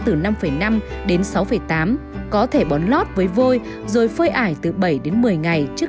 tơi xốp và có độ ph từ năm năm đến sáu tám có thể bón lót với vôi rồi phơi ải từ bảy đến một mươi ngày trước